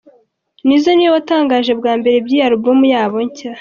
Nizzo niwe watangaje bwa mbere iby'iyi Album yabo nshya.